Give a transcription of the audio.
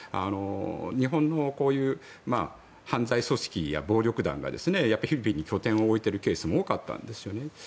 日本のこういう犯罪組織や暴力団がフィリピンに拠点を置いているケースも多かったんですね。